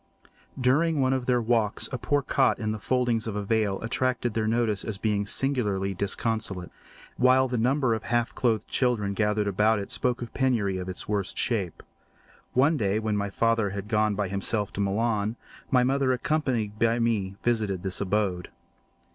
During one of their walks a poor cot in the foldings of a vale attracted their notice as being singularly disconsolate, while the number of half clothed children gathered about it spoke of penury in its worst shape. One day, when my father had gone by himself to Milan, my mother, accompanied by me, visited this abode.